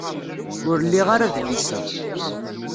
Ur liɣ ara adlis-a.